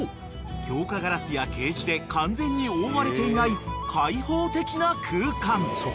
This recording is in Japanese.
強化ガラスやケージで完全に覆われていない開放的な空間］